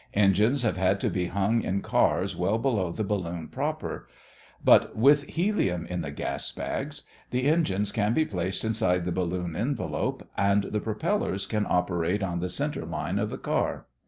Engines have had to be hung in cars well below the balloon proper. But with helium in the gas bags the engines can be placed inside the balloon envelop and the propellers can operate on the center line of the car.